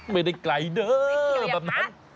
ไม่ได้กลายเดอร์แบบนั้น